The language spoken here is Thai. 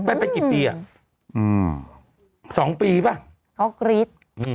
เป็นไปกี่ปีอะสองปีป่ะอ๋อกรี๊ด